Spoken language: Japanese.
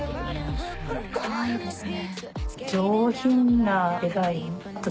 かわいいですね。